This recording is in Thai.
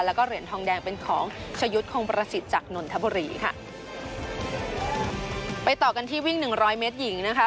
แล้วก็เหรียญทองแดงเป็นของชะยุทธ์คงประสิทธิ์จากนนทบุรีค่ะไปต่อกันที่วิ่งหนึ่งร้อยเมตรหญิงนะคะ